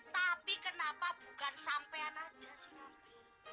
tapi kenapa bukan sampean aja sih nabi